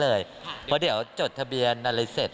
เพราะเดี๋ยวเขาจะจดทะเบียนน่ะเลยเสร็จ